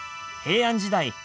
平安時代